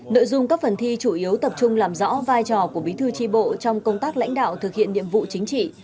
nội dung các phần thi chủ yếu tập trung làm rõ vai trò của bí thư tri bộ trong công tác lãnh đạo thực hiện nhiệm vụ chính trị